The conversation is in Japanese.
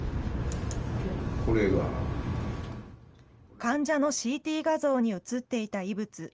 患者のＣＴ画像に写っていた異物。